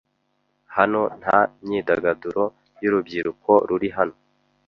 Hano nta myidagaduro y'urubyiruko ruri hano.